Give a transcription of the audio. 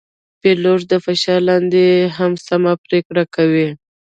پیلوټ د فشار لاندې هم سمه پرېکړه کوي.